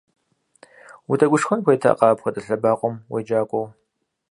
Утегушхуэн хуейтэкъэ апхуэдэ лъэбакъуэм уеджакӏуэу!